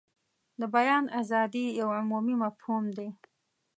د بیان ازادي یو عمومي مفهوم دی.